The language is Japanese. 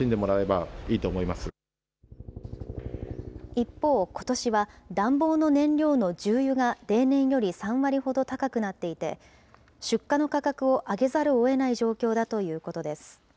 一方ことしは、暖房の燃料の重油が例年より３割ほど高くなっていて、出荷の価格を上げざるをえない状況だということです。